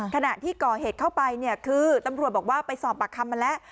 ขณะที่ก่อเหตุเข้าไปเนี่ยคือตำรวจบอกว่าไปสอบปากคำมาแล้ว